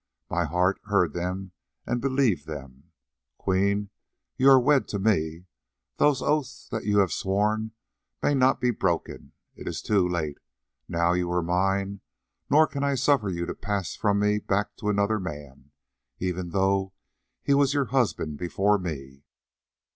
My heart heard them and believed them. Queen, you are wed to me; those oaths that you have sworn may not be broken. It is too late; now you are mine, nor can I suffer you to pass from me back to another man, even though he was your husband before me."